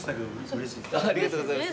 ありがとうございます。